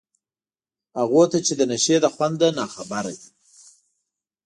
هغو ته چي د نشې له خونده ناخبر دي